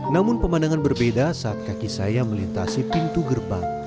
namun pemandangan berbeda saat kaki saya melintasi pintu gerbang